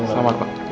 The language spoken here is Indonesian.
selamat ya pak